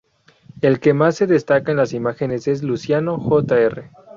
El que más se destaca en la imagen es Luciano Jr.